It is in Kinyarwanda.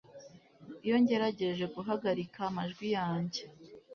iyo ngerageje guhagarika amajwi yanjye